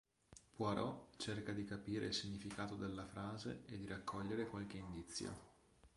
Poirot cerca di capire il significato della frase e di raccogliere qualche indizio.